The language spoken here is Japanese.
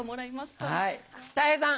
たい平さん。